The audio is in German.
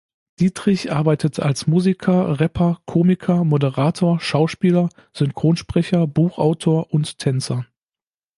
Dietrich arbeitet als Musiker, Rapper, Komiker, Moderator, Schauspieler, Synchronsprecher, Buchautor und Tänzer.